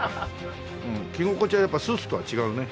着心地はやっぱスーツとは違うね。